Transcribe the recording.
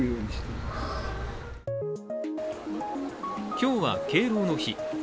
今日は、敬老の日。